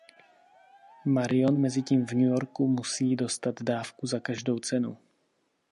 Marion mezitím v New Yorku musí dostat dávku za každou cenu.